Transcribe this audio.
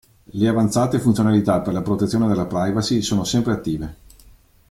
Le avanzate funzionalità per la protezione della privacy sono sempre attive.